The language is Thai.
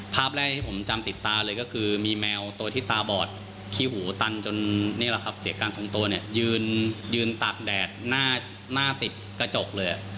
ภาพแรกที่ผมจำติดตาเลยก็คือมีแมวตัวที่ตาบอดขี้หูตันจนนี่แหละครับเสียการสองตัวเนี่ยยืนตากแดดหน้าติดกระจกเลย